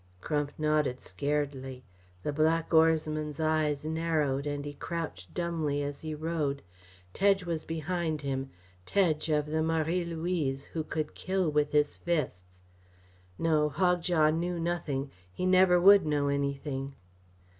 Crump nodded scaredly. The black oarsman's eyes narrowed and he crouched dumbly as he rowed. Tedge was behind him Tedge of the Marie Louise who could kill with his fists. No, Hogjaw knew nothing he never would know anything.